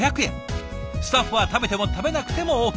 スタッフは食べても食べなくてもＯＫ。